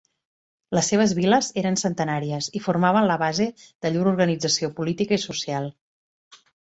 Les seves viles eren centenàries i formaven la base de llur organització política i social.